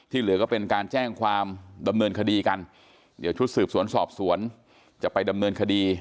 เหลือก็เป็นการแจ้งความดำเนินคดีกันเดี๋ยวชุดสืบสวนสอบสวนจะไปดำเนินคดี